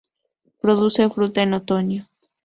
Produce fruta en otoño.